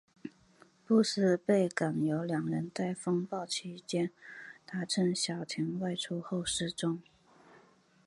布斯贝港有两人在风暴期间搭乘小艇外出后失踪。